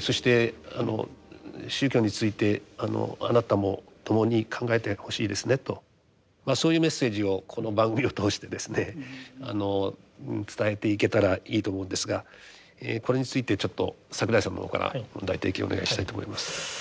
そして宗教についてあなたも共に考えてほしいですねとそういうメッセージをこの番組を通してですね伝えていけたらいいと思うんですがこれについてちょっと櫻井さんの方から問題提起をお願いしたいと思います。